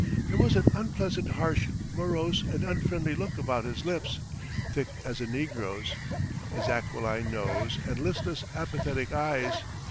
There was an unpleasantly harsh, morose, and unfriendly look about his lips, thick as a negro's, his aquiline nose, and listless, apathetic eyes.